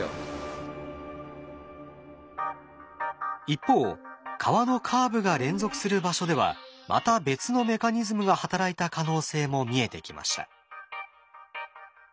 一方川のカーブが連続する場所ではまた別のメカニズムが働いた可能性も見えてきました。